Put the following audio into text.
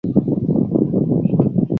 贾公彦人。